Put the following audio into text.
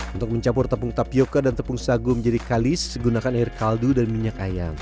untuk mencampur tepung tapioca dan tepung sagu menjadi kalis gunakan air kaldu dan minyak ayam